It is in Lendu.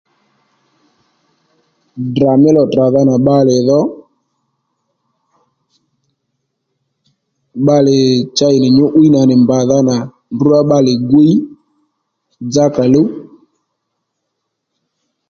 Ddrà mí lò tdràdha nà bbalè dho bbalè cha ì nì nyǔ'wiy nà nì mbàdha nà ndrǔ rá bbalè gwiy dza kàluw